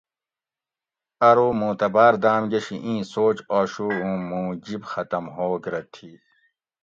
ارو مُوں تہ باۤر داۤم گشی اِیں سوچ آشو اُوں مُوں جِب ختم ہوگ رہ تھی